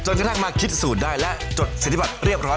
กระทั่งมาคิดสูตรได้และจดสิทธิบัตรเรียบร้อย